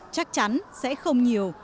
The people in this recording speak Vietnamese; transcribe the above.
chắc chắn sẽ không nhiều